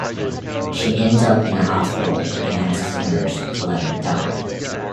She ends up in a hospital and asks the nurse to let her die.